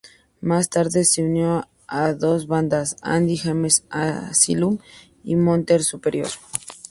Más tarde se unió a dos bandas "Andy James Asylum" y "Mother Superior".